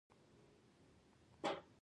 څنارګل زموږ د ریاضي ښؤونکی دی.